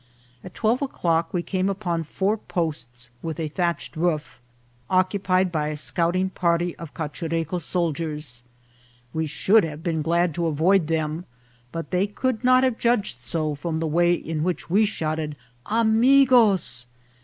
At twelve o'clock we came upon four posts with a thatched roof, occupied by a scouting party of Cachu reco soldiers. We should have been glad to avoid them, but they could not have judged so from the way in which we shouted " amigos